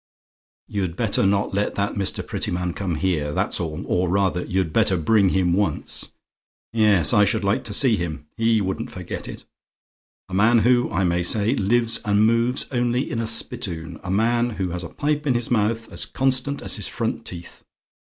"You'd better not let that Mr. Prettyman come here, that's all; or, rather, you'd better bring him once. Yes, I should like to see him. He wouldn't forget it. A man who, I may say, lives and moves only in a spittoon. A man who has a pipe in his mouth as constant as his front teeth.